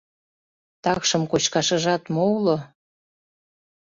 Такшым кочкашыжат мо уло?